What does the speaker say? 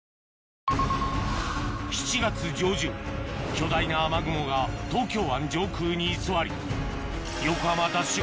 巨大な雨雲が東京湾上空に居座り横浜ＤＡＳＨ